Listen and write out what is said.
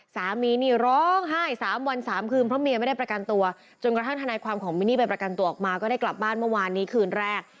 สามีนี่ร้องไห้๓วัน๓คืนเพราะเมียไม่ได้ประกันตัวจนกระทั่งทนายความของมินนี่ไปประกันตัวออกมาก็ได้กลับบ้านเมื่อวานนี้คืนแรก